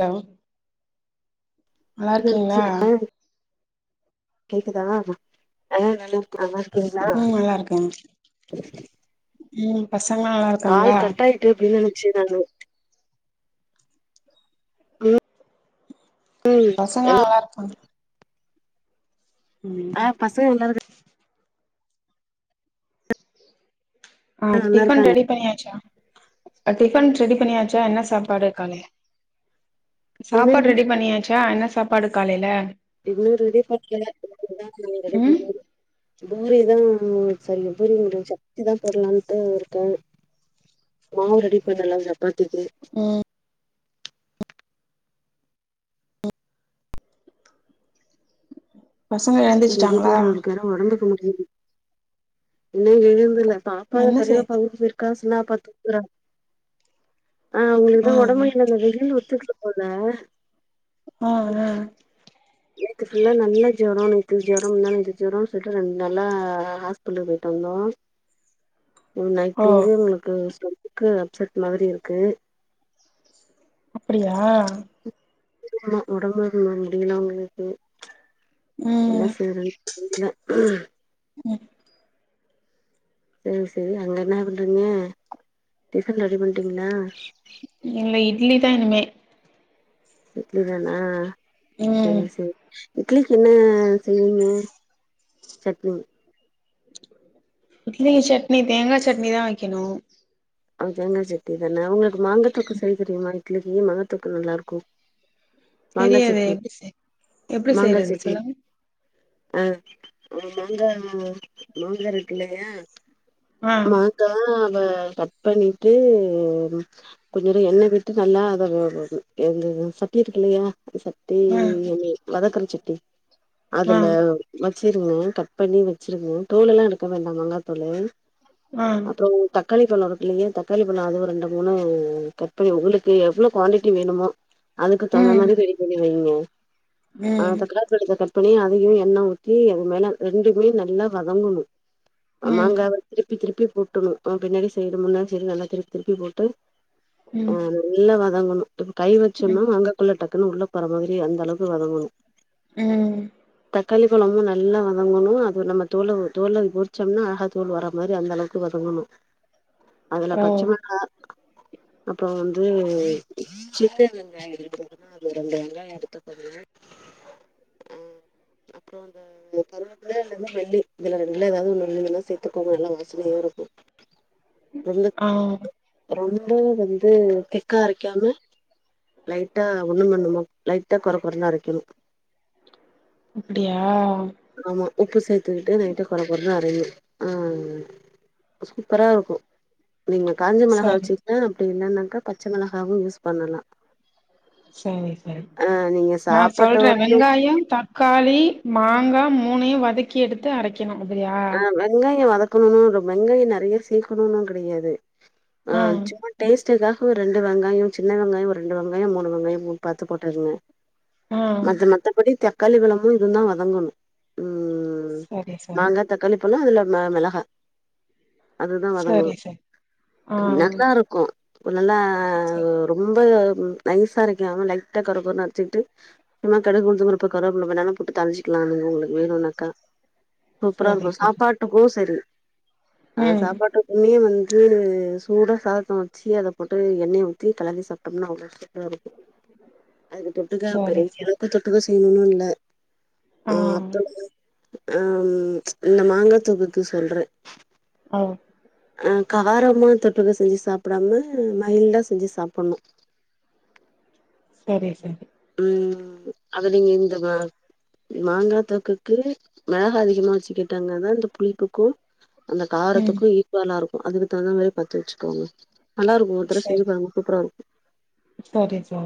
Hello நல்லா [inaudible] இருக்கீங்களா கேக்குதா ஆ நல்லாருக்கே நல்லாருக்கீங்களா ம் நல்லா இருக்கேங்க ம் பசங்களா நல்லாரு கால் கட்டாயிட்டு அப்டின் நெனச்சே நானு ம் ம் பசங்களா எல்லா நல்லாருக்காங்க ஆ ம் பசங்க எல்லாரு ஆ நல்லா டிஃபன் இருக்காங்க ரெடி பண்ணியாச்சா டிஃபன் ரெடி பண்ணியாச்சா என்ன சாப்பாடு காலை இன்னு சாப்பாடு ரெடி பண்ணியா ச்சா என்ன சாப்பாடு காலைல இன்னு ரெடி பண்ணல இனிமே தா ரெடி ம் பண்ணனு பூரிதா சாரி பூரிங்றே சப்பாத்தி தா போட்லான்ட்டுருக்கே மாவு ரெடி பண்ணலா சப்பாத்திக்கி ம் பசங்க எங்க எழுந்துச்சுட்டாங்களா வீட்டுக்காரர்க்கு வேற ஒடம்புக்கு முடில்ல இன்னு எழுந்தில்ல பாப்பா என்ன செய்து பெரியப்பா ஊருக்கு போயிருக்கா சின்னபாப்பா தூங்குறா ஆ அவுங்களுக்கு ஆ தா ஒடம்பு முடில்ல வெயில் ஒத்துக்கல போல ஆ ஆ நேத்து ஃபுல்லா நல்ல ஜொரோ நேத்து ஜொரோம்மா இருந்துச்சு ஜொரோன் சொல்லிட்டு நல்லா ஆஸ் பட்லு போய்ட்டு வந்தோ ஓ நைட்லருந்து அவுங்களுக்கு ஸ்டொ மக்கு அப்செட் மாதிரி இருக்கு அப்படியா ஆமா ஒடம்பு முடில்ல அவுங்களுக்கு ம் என்ன செய்றது தெரில ம் சேரி சேரி அங்க என்ன பண்றீங்க டிஃபன் ரெடி பண்ட்டீங்களா இல்ல இட்லி தா இனிமே இட்லி தானா ம் சேர் சேரி இட்லிக்கு என்ன செய்வீங்க சட்னி இட்லிக்கி சட்னி தேங்கா சட்னி தா வெக்கணு ஆ தேங்கா சட்னி தானா ஒங்களுக்கு மாங்காத்தொக்கு செய்ய தெரிமா இட்லிக்கி மாங்காத்தொக்கு நல்லாருக்கு மாங்கா தெரியாது சட்னி எப்டி செய் எப்டி மாங்கா செய்றது சட்னி சொல்லுங்க ஆ ஒரு மாங்கா மாங்கா இருக்குல்லயா ம் மாங்காவ கட் பண்ணிட்டு கொஞ்சுரு எண்ண விட்டு நல்லா அத எங்க சட்டி இருக்கு இல்லயா அந்த சட் டி ம் வதக்கற சட்டி அதுல ம் வச்சிருங்க கட் பண்ணி வச்சிருங்க தோல்லெல்லா எடுக்க வேண்டா மாங்கா தோலு ம் அப்றோ தக்காளி பழோ இல்லைங்க தக்காளி பழோ அதுவு ரெண்டு மூணு கட் பண்ணி ஒங்களுக்கு எவ்ளோ குவான்டிட்டி வேணுமோ அதுக்கு தொண ம் மாரி ரெடி பண்ணிருவே இன்னும் ம் அதுக்கு தா கட்புலக்கு கட் பண்ணி அதயு எண்ண ஊத்தி அது மேல ரெண்டுமே நல்லா வதங்கணு ம் மாங்காவ திருப்பி திருப்பி போட்டுணு பின்னாடி சைடு முன்னாடி சைடு நல்லா திருப்பி திருப்பி போட்டு அ ம் நல்லா வதங்கணு இப்ப கை ம் வச்சோன்னா மாங்காக்குள்ள டக்குன்னு உள்ள போற மாதிரி அந்த அளவுக்கு வதங்கணு ம் களி கொழம்பு நல்லா வதங்கணு அது நம்ம தோல தோல உரிச்சோம்னா அழகா தோல் வர மாரி அந்த அளவுக்கு வதங்கணு அதுல ஓ பச்ச மொளகா அப்றோ வந்து சிக்கன் வெங்காய எடுத்துகணு ஆ அது ரெண்டு வெங்காயோ எடுத்துக்கோங்க அ அப்றோ அந்த கருவேப்பில அல்லது மல்லி இதுல ரெண்டுல ஏதாவது ஒண்ணு வேணுணா சேத்துக்கோங்க நல்லா வாசனையாருக்கு ரொம்ப ஆ ரொம்பவே வந்து திக்கா அரக்கீயாம லைட்டா ஒண்ணு மண்ணுமா லைட்டா கொற கொறனு அரக்கேணு அப்டியா ஆமா உப்பு சேத்துக்கிட்டு லைட்டா கொற கொற நெறயு ஆ சூப்பரா இருக்கு நீங்க காஞ்ச மொளகா சரி வச்சுக்கலா அப்டி இல்லன்னாக்க பச்ச மொளகாவும் யூஸ் பண்ணலா சரி சரி ஆ நீங்க நா சொல்றே சாப்பாட்டோடையு வெங்காயம் தக் களி மாங்கா மூனயு வதக்கி எடுத்து அரக்கெணு அப்டியா ஆ வெங்காய வதக்கணுன்னா இல்ல வெங்காய நெறய சேர்க்கணுன்னா கெடயாது ஆ சும்மா டேஸ்டுக்காக ஒரு ரெண்டு வெங்காய சின்ன வெங்காய ஒரு ரெண்டு வெங்காய மூணு வெங்காய பாத்து போட்டுகங்க ஆ அது மத்தபடி தக்காளி பழமு இதுந்தா வதங்கணு ம் சரி சரி மாங்கா தக்காளி பழோ அதுல மெ-மெளகா அதுதா சரி வதங்கணு சரி ஆ நல்லா இருக் கு ஒரு நல்லா சரி ரொம்ப நைசா அரைக்காம லைட்டா கொரகொரனு அரச்சிக்கிட்டு சும்மா கடுகு உளுத்தம்பருப்பு கருவப்பில வேணாலு போட்டு தாழி்ச்சிக்குலா நீங்க உங்ளுக்கு வேணுனாக்கா சரி சூப்பராருக்கு சரி சாப்பாட்டுக்கு சரி ஆ ம் சாப்பாட்டு எண்ணயே வந்து சூடா சாதத்த வச்சு அத போட்டு எண்ணெய ஊத்தி கெளறி சாப்ட்டோம்னா அவ்ளோ சூப்பராருக்கு அதுக்கு தொட்டுக்க சரி பெரிய சரி அளவுக்கு தொட்டுக்க செய்யணுனு இல்ல ஆ அப்பொழுது அ இந்த மாங்கா தொக்குக்கு சொல்றே அ ஆ காரமா தொட்டுக்க செஞ்சு சாப்டாம மைல்டா செஞ்சு சாப்டணு செரி சா ம் அத நீங்க இந்த மா மாங்கா தொக்குக்கு மெளகா அதிகமா வச்சுக்கிட்டாங்கதா இந்த புளிப்புக்கு அந்த ம் காரத்துக்கு ஈக்குவலா இருக்கு அதுக்கு தகுந்த மாரி பாத்து வச்சுக்கோங்க நல்லாருக்கு ஒரு தடவ செஞ்சு பாருங்க சூப்பராருக்கு செரி [unintelligible]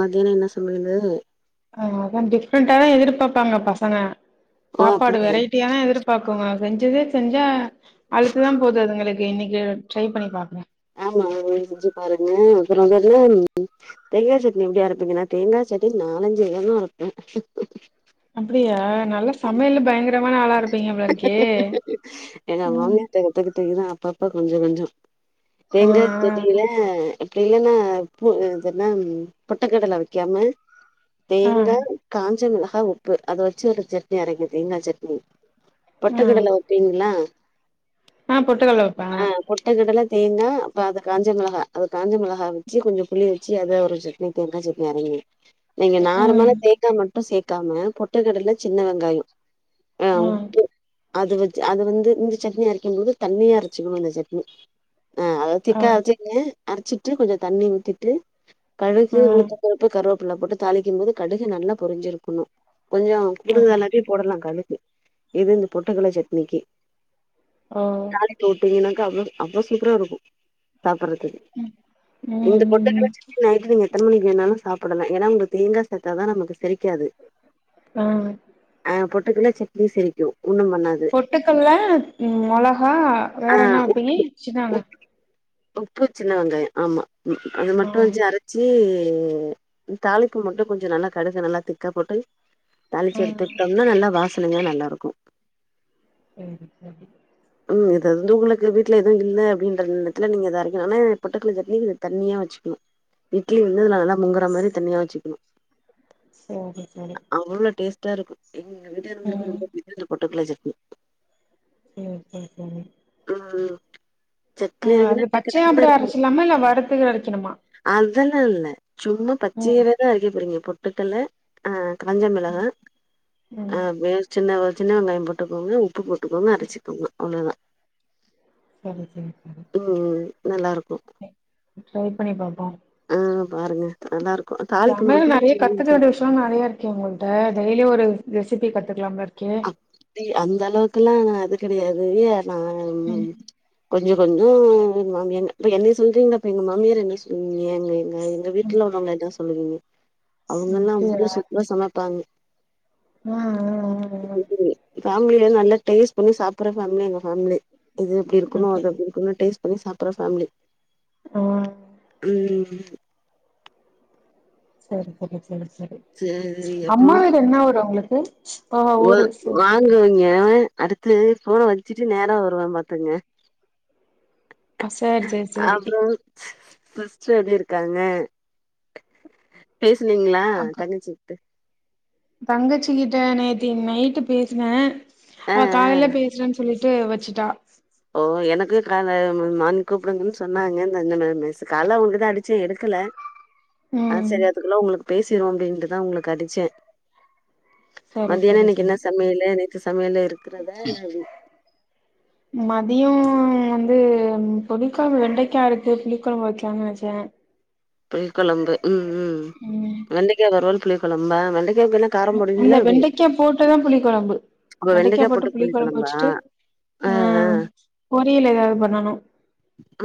மத்யானோ என்ன சமையலு ஆ அதா டிஃப்ரெண்டாதா எதிர்பாப்பாங்க பசங்க ஓ சாப்பாடு அப்டியா வெரைட் டியதா எதிர்பாக்குங்க செஞ்சதே செஞ்சா அழுத்துதா போது அதுங்களுக்கு இன்னிக்கு ட்ரை பண்ணி பாக்குறே ஆமா அது செஞ்சு பாருங்க அப்றோ என்னது தேங்கா சட்னி எப்டி அரப்பீங்க நா தேங்கா சட்னி நாலஞ்சு விதமா அரப்பே அப்டியா நல்ல சமையல்ல பயங்கரமான ஆளா இருப்பீங்க போல இருக்கே எங்க மாமியார்ட்ட கத்துக்கிட்டதுதா அப்பப்ப கொஞ்சோ கொஞ்சோ ஆ ஏங்க செரிங்களா அப்டி இல்லன்னா பூ இதுன்னா பொட்டுக்கடல வெக்காம ஆ ஆ தேங்கா காஞ்ச மெளகா உப்பு அத வச்சு ஒரு சட்னி அரைங்க தேங்கா சட்னி ஆ பொட்டுக்கடல வப்பீங்ளா ஆ பொட்டுகல்ல வப்பே பொட்டுகடல தேங்கா அப்ப அது காஞ்ச மெளகா அது காஞ்ச மொளகா வச்சி கொஞ்ச புளி வச்சி அத உரச்சி இன்னைக்கு தேங்கா சட்னி அரைங்க நீங்க ம் நார்மலா தேங்கா மட்டு சேக்காம பொட்டுக்கடல சின்ன வெங்காயோ ஆ அ உப்பு அது வ அது வந்து இந்த சட்னி அரைக்குபோது தண்ணியா அரச்சுக்கணு இந்த சட்னி அ அதா ஆ திக்கா அரச்சிக்குங்க அரச்சிட்டு கொஞ்சோ தண்ணி ஊத்திட்டு ஆ கடுகு உளுத்த பருப்பு கருவேப் ப்புள்ள போட்டு தாளிக்கு போது கடுகு நல்லா பொரிஞ்சிருக்கணு கொஞ்சோ ஆ கூடுதளாவே போடலா கடுகு இது இந்த பொட்டுக்கல்ல சட்னிக்கு ஆ போட்டிங்கனாக்க அவ்ளோ அவ்ளோ சூப்பரா இருக்கு சாப்பறதுக்கு ம் இந்த ம் பொட்டுக்கடல ம் சட்னி நைட்டு நீங்க எத்தன மணிக்கு வேணாலு சாப்படலா ஏனா உங்க தேங்கா சேத்தாதா நமக்கு செரிக்காது அ அ பொட்டுக்கல்ல சட்னி செரிக்கு ஒன்னு பண்ணாது பொட்டுக்கல்ல மொளகா ஆ வேற என்ன உப் வப்பிங்க இஞ்சிதான உப் உப்பு சின்ன வெங்காயோ ஆமா அது ஆ மட்டு வச்சி அரச் சி தாளிப்பு மட்டு கொஞ்சோ நல்லா கடுகு நல்லா திக்கா போட்டு தாளிச்சு ஆ எடுத்துக்டோம்னா நல்லா வாசனையா நல்லாருக்கு ம் ம் ம் இது வந்து உங்ளுக்கு வீட்ல எதுவு இல்ல அப்டின்ற எடத்துல நீங்க இத அரைக்லா ஆனா பொட்டுக்கல்ல சட்னி தண்ணியா வச்சுக்கணு இட்லி வந்து அதுல நல்லா முங்கற மாரி தண்ணியா வச்சுக்கணு சேரி சேரி அவ்ளோ டேஸ்ட்டா இருக்கு எங்க வீட்டுகாரங்களுக்கு ம் ரொம்ப புடிக்கு இந்த பொட்டுக்கல்ல சட்னி ம் ம் ம் ம் ம் சட்னி ம் அரைக்கனா அது டக்கு பச்சையா டக்குன்னு அப்டியே அரைக்கனு அரச்சிர்லாமா இல்ல வருத்து அரைக்கணுமா அதெல்லா இல்ல சும்மா ம் பச்சையவேதா அரைக்க போறீங்க பொட்டுக்கல்ல ஆ காஞ்ச மெளகா ம் அஹ் சின்ன சின்ன வெங்காயோ போட்டுக்கோங்க உப் உப்பு போட்டுக்கோங்க அரச்சிக்கோங்க அவ்ளோதா சரி சரி சரி ம் நல்லாருக்கு ட்ரை பண்ணி பாப்போ ஆ பாருங்க நல்லாருக்கு தாளிப்பு மட்டு கொஞ்சோ [inaudible] ச்ச நெறையா இருக்கே உங்கள்ட்ட டெய்லியு ஒரு ரெசிபி கத்துக்கலா போல இருக்கே அந்த அளவுக்குலா நா அது கெடையாது நா ம் கொஞ்சோ கொஞ்சம் மாமியாங்க இப்ப என்னய சொல்றீங்கப்ப எங்க மாமியார் என்ன சொல்விங்க எங்க எங்க வீட் ல உள்ளவங்க எதா சொல்லுவீங்க அவங்கல்லா அப்டியா அவ்ளோ சூப்ரா சமைப்பாங்க அ அ [inaudible] ஃபேம்லில நல்லா டேஸ்ட் பண்ணி சாப்புட்ற ஃபேம்லி எங்க ஃபேம்லி இது இப்டி இருக்கணு அது அப்டியா அப்டி இருக்கணு டேஸ் பண்ணி சாப்புட்ற ஃபேம்லி ஆ ம் சரி சரி சரி சரி சேரி அம்மா வீடு என்ன ஊரு உங்களுக்கு ஓ வா ஊரு சரி சரி வாங்குவங்க அடுத்து போன வச்சுட்டு நேரா வருவே பாத்துங்க ஆ சரி சரி சரி அப்றோ சிஸ்டர் எப்டி இருக்காங்க பேசுனீங்களா தங்கச்சி த தங்கச்சிகிட்ட நேத்தி நைட்டு பேசுன ஆ அவ ஆ காலையில பேசுறேனு சொல்லிட் ட்டு வச்சுட்டா ஓ எனக்கு கா நா மானிங் கூப்டுங்கன் சொன்னாங்க மிஸ் கால அவுங்கதா அடிச்சே எடுக்கல அ ம் சரி அதுக்குள்ள உங்களுக்கு பேசிருவோ அப்டினுட்டுதா உங்களுக்கு அடிச்சே சரி மத்தியான சரி இன்னைக்கு சரி என்ன சமையலு நேத்து சமையலு இருக்கிறதா இல்ல எப்டி [inaudible] மதியோ வந்து புளிகொழம்பு வெண்டைக்கா இருக்கு புளிக்கொழம்பு வைக்களான் நெனச்சே புளிகொழம்பு ம் ம் ம் வெண்டைக்கா வருவல் புளிகொழம்பா வெண்டைக்காகு என இல்ல வெண்டைக்கா போட்டுதா புளிகொழம்பு வெண்டைக்கா போட்டு புளிகொழம்பு வச்சுட்டு ஆ அ ஆ பொரியல் ஏதாது பண்ணணு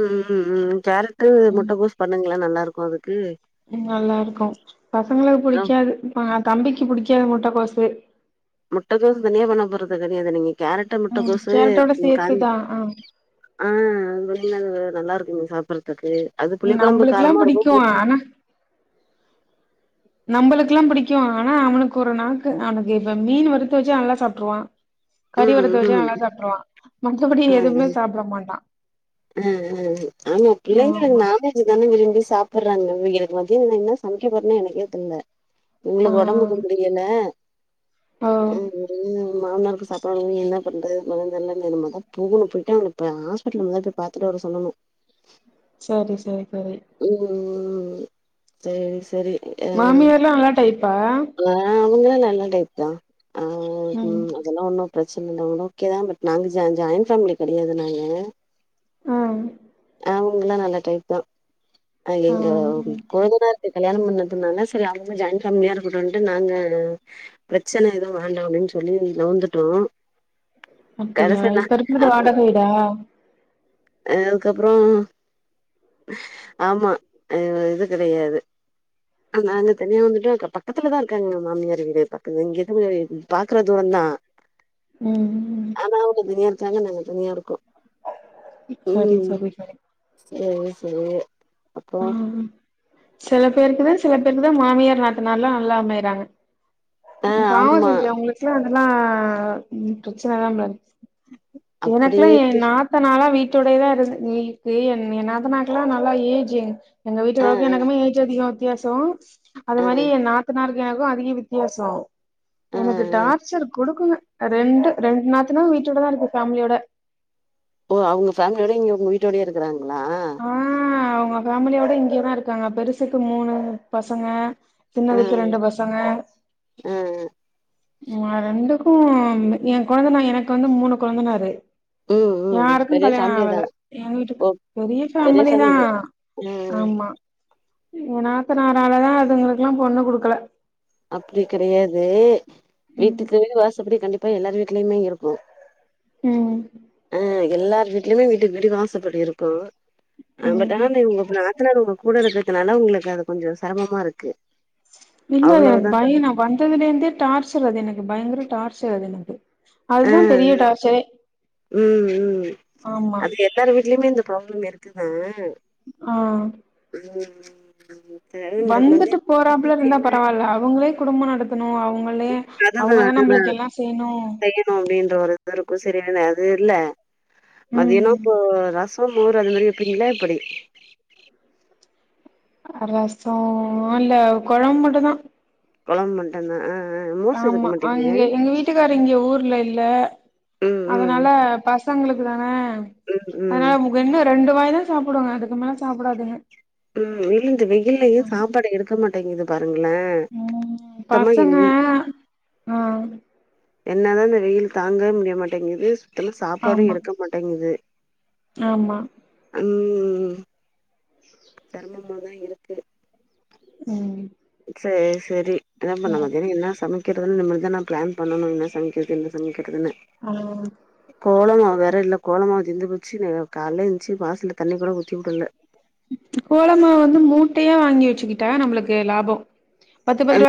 ம் ம் ம் கேரட்டு முட்டகோஸ் பண்ணுங்கள நல்லா இருக்கு அதுக்கு நல்லாருக்கு பசங்களுக்கு ஆ புடிக்காது தம்பிக்கு புடிக்காது முட்டகோசு முட்டகோசு தனியா பண்ண போறது கெடையாது நீங்க கேரட்டு ம் முட்டைகோசு கேரட்டோட காஞ் சேத்துதா ஆ ஆ அது வெளின அது நல்லா இருக்கு சாப்டறதுக்கு அது புளிகொழம்பு நம்பளுக்குல்லா காரமா இருக்கு பிடிக்கு புளிப் ஆனா நம்பளுக்குெல்லா புடிக்கு ஆனா அவனுக்கு ஒரு நாக்கு அவனுக்கு இப்ப மீன் வறுத்து வச்சா நல்லா சாப்டுருவா கறி ம் வறுத்து வச்சா ம் நல்லா சாப்டுறுவா மத்தபடி எதுவுமே சாப்ட மாட்டா அ அ அ ஆமா பிள்ளைங்க ஆமா நாள இதுதானே விரும்பி சாப்பிடுறாங்க இவிங்களுக்கு மத்தில நா என்ன சமைக்கப்போறனே எனக்கே தெரில ஆ எங்களுக்கு ஒடம்புக்கு முடியல ஓ மாமனாருக்கு சாப் ப என்ன பண்றது மத இனிமேதா போணு போயிட்டு அவன ஹாஸ்பிட்டல மொதல போய் பாத்துட்டு வர சொல்லணு சரி சரி சரி ம் சரி சரி மாமியார் எல்லா நல்ல டைப்பா அ அவங்கல்லா நல்ல டைப்தா ஆ ம் அதெல்லா ஒண்ணு பிரச்சன இல்லாம ஓகே தா பட் நாங்க ஜா ஜாயின் ஃபேமிலி கெடையாது நாங்க ஆ அவங்களா நல்ல டைப் தா ஆ எங்க ம். கொழுந்தனாரு கல்யாணம் பண்ணதுனால சரி அவங்க ஜாயின் ஃபேமிலியா இருக் அப்ப வந்துட்டு நாங்க பிரச்சன எதுவு வேண்டா அப்டின் சொல்லி வந்துட்டோ அப்டியா இப்ப இருக்குறது வாடக வீடா அதுக்கப்புற ஆமா இது கெடையாது நாங்க தனியா வந்துட்டோ பக்கத்துல தா இருக்காங்க மாமியார் வீடு பக்கத்து இங்க இருந்து பாக்குற தூரோதா [inaudible] ம் ம் ஆனா அவங்க தனியா இருக்காங்க நாங்க தனியா இருக்கோ சரி ம் சரி சரி சேரி சேரி அப்றோ செல பேருக்கு தா செல பேருக்கு தா மாமியார் நாத்தனார்லா நல்லா அமையறாங்க ஆ பாவ ஆமா செஞ்சவங்களுக்கெல்லா அதெல்லா பிரச்சனல்லா மேட எனக்குல்லா அப்டியே எ நாத் நாத்தனாலா வீட்டோடையேதா இருந் எ க்கு எ நாத்தனாக்கல்லா நல்லா ஏஜ் எங்க ஆ வீட்டுகாரக்கு ஆ எனக்குமே ஏஜ் அதிகொ வித்தியாசோ அது ஆ மாரி எ நாத்தனாருக்கு எனக்கு அதிக வித்தியாச சோ ஆ ஆ எனக்கு டார்ச்சர் குடுக்குங் ரெண்டு ரெண்டு நாத்தனா வீட்டோடதா இருக்கு ஃபேமிலியோட ஓ அவங்க ஃபேமிலியோட இங்க உங்க வீட்டோடயே இருக்குறாங்களா ஆ அவங்க ஃபேமிலியோட இங்கயேதா இருக்காங்க பெருசுக்கு மூணு பசங்க ஆ சின்னதுக்கு ரெண்டு பசங்க ஆ ரெண்டுக்கும் எ கொழுந்தனா எனக்கு வந்து மூணு கொழந்தனாரு ம் ம் யாருக்கு பெரிய ஃபேமிலி கல்யாணாவல தா எ வீட்டுக்கு ஓ பெரிய ஃபேமிலிதா ஆ ஆமா எ நாத்தனாராலதா அதுங்களுக்கெல்லா பொண்ணு குடுக்கல அப்டி கெடையாது ம் வீட்டுக்கு வீடு வாசப்படி கண்டிப்பா எல்லார் வீட்லயுமே இருக்கு ம் ஆ எல்லார் வீட்லயுமே வீட்டுக்கு வீடு வாசப்படி இருக்கு அ பட் ஆனா ம் நீங்க உங்க நாத்தனார் ஒங்க கூட இருக்கறதுனால உங்களுக்கு அது கொஞ்சொ செரமமா இருக்கு இல்லல எனக்கு அவ்ளோதா பய நா வந்ததுலேந்தே டார்ச்சர் அது எனக்கு பயங்கர டார்ச்சர் அது எனக்கு ஆ அதுதா பெரிய அ டார்ச்சரே ம் ம் ஆமா அது எல்லார் வீட்லயுமே இந்த ப்ராப்ளம் இருக்குது ஆ [unintelligible] மத் மதிய வந்துட்டு போறாப்புல இருந்தா பரவால்ல அவங்களே குடும்ப நடத்தணு அவங்க ளே அதுதா அவங்கதா அதுதா நம்மளுக் எல்லா செய்ணு செய்யணு அப்டின்ற ஒரு இது இருக்கு சரியான அது இல்ல மதியானம் ம் இப்போ ரச மோர் அது மாரி வப்பீங்களா எப்டி ரசோ இல்ல கொழம்பு மட்டுந்தா கொழம்பு மட்டுந்தா ஆ ஆ மோர் சேதுக்க மாட்டிங்க வீட்டுக்கார் இங்கே ஊர்ல இல்ல ம் ம் அதனால பசங்களுக்கு தானே ம் ம் அதனால முகன்னு ரெண்டு வாயிதா சாப்டுவாங்க அதுக்கு மேல சாப்டாதுங்க ம் இல்ல இந்த வெயிலயே சாப்பாடு எடுக்க மாட்டேங்குது பாருங்களே ம் சுத்தமா பசங்க என் ஆ என்னதா இந்த வெயில் தாங்கவே முடிய மாட்டேங்குது இதுல சாப்பாடு ஆமா எடுக்க மாட்டேங்குது ஆமா அந் செரமமாதா இருக்கு ம் சேரி செரி என்ன பண்ண சரி மதியானோ என்ன சமை க்கறதுனு இனிமேல்தா நா பிளான் பண்ணணு என்ன சமைக்கிறது என்ன சமைக்கிறதுன்னு ஆ கோல மாவு வேற இல்ல கோலமாவு தீந்து போச்சு நே கால்ல எழுஞ்சு வாசல தண்ணி கூட ஊத்தி வுடல கோலமாவு வந்து மூட்டையா வாங்கி வச்சுக்கிட்டா நம்மளுக்கு லாபொ பத்து பத்து ரூவா